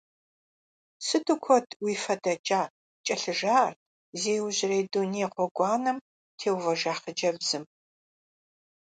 Сыту куэд уи фэ дэкӏа! — кӏэлъыжаӏэрт, зи иужьрей дуней гъуэгуанэм теувэжа хъыджэбзым.